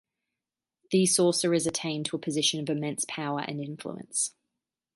These sorcerers attain to a position of immense power and influence.